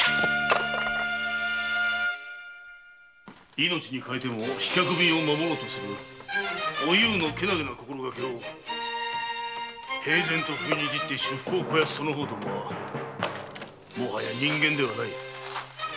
命に代えても飛脚便を守ろうとするおゆうの健気な心がけを平然と踏みにじって私腹を肥やすその方どもはもはや人間ではない。